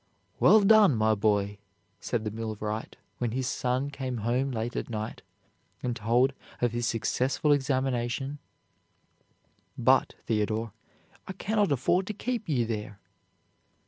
"Well done, my boy!" said the millwright, when his son came home late at night and told of his successful examination; "but, Theodore, I cannot afford to keep you there!"